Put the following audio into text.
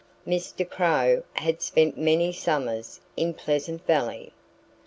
Mr. Crow had spent many summers in Pleasant Valley.